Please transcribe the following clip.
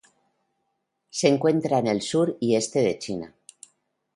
Se encuentra en el sur y este de China.